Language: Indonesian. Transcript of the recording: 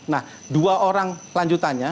nah dua orang lanjutannya